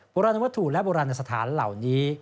โบราณวัตถุและโบราณสถานเหล่านี้